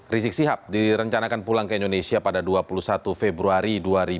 rizik sihab direncanakan pulang ke indonesia pada dua puluh satu februari dua ribu dua puluh